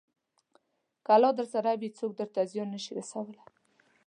که الله درسره وي، څوک درته زیان نه شي رسولی.